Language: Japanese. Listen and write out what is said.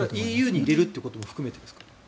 ＥＵにいるということも含めてですか？